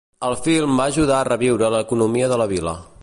El film va ajudar a reviure l'economia de la vila.